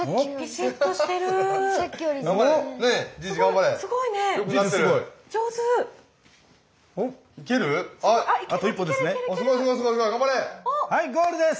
はいゴールです！